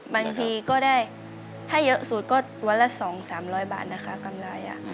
บางทีก็ได้ถ้าเยอะสุดก็วันละสองสามร้อยบาทนะคะกำลัยอ่ะ